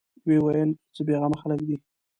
ويې ويل: څه بېغمه خلک دي.